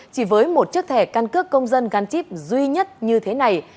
chỉ với một chiếc thẻ căn cước công dân gắn chip duy nhất như thế này